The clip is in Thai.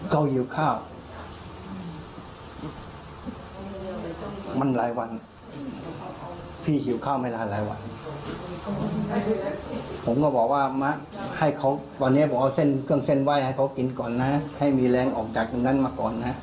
เขาอยู่ข้าวมองเห็นก็คือเป็นลูกภูเขาคือบอกไม่ได้ว่าจะอยู่ตรงไหนของภูเขา